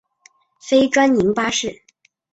非专营巴士。